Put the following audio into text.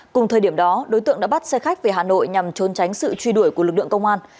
cùng thời điểm đó đối tượng đã bắt xe khách về hà nội nhằm trốn tránh sự truy đuổi của lực lượng công an